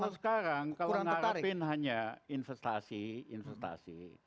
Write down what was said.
kalau sekarang kalau narapin hanya investasi investasi